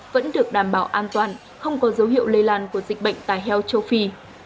vẫn được đảm bảo an toàn không có dấu hiệu lây lan của dịch bệnh tài heo châu phi